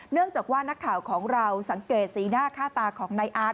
เนื่องจากว่านักข่าวของเราสังเกตสีหน้าค่าตาของนายอาร์ต